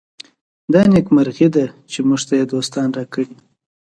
دا نېکمرغي ده چې موږ ته یې دوستان راکړي.